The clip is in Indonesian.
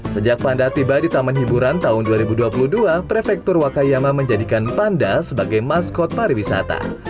sejak panda tiba di taman hiburan tahun dua ribu dua puluh dua prefektur wakayama menjadikan panda sebagai maskot pariwisata